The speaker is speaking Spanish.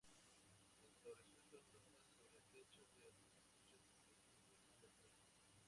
Las fotografías fueron tomadas sobre el techo de algunos coches pertenecientes a la empresa.